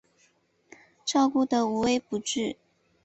照顾得无微不至